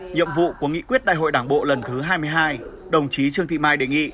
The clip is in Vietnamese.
nhiệm vụ của nghị quyết đại hội đảng bộ lần thứ hai mươi hai đồng chí trương thị mai đề nghị